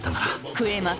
食えます！